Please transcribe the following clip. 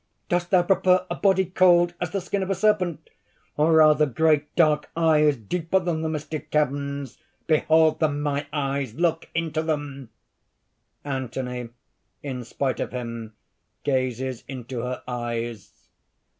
Dost thou prefer a body cold as the skin of a serpent, or rather great dark eyes deeper than the mystic caverns? behold them, my eyes! look into them!" (_Anthony, in spite of him, gazes into her eyes.